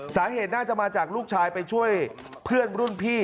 สาเหตุน่าจะมาจากลูกชายไปช่วยเพื่อนรุ่นพี่